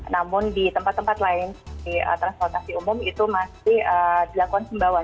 namun di tempat tempat lain di transportasi umum itu masih dilakukan sembawan